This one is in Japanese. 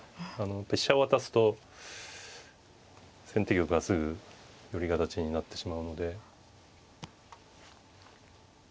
飛車を渡すと先手玉がすぐ寄り形になってしまうので。